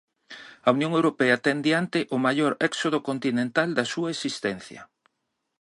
A Unión Europea ten diante o maior éxodo continental da súa existencia.